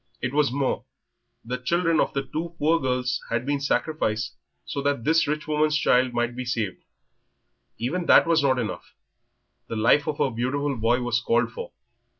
It was more. The children of two poor girls had been sacrificed so that this rich woman's child might be saved. Even that was not enough, the life of her beautiful boy was called for.